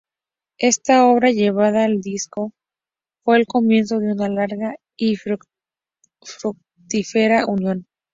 Esta obra llevada al disco, fue el comienzo de una larga y fructífera unión.